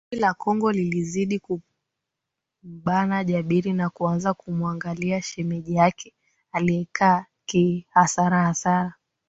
Vumbi la Congo lilizidi kumbana Jabir na kuanza kumuangalia shemeji yake aliekaa kihasarahasara